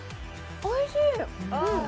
おいしい！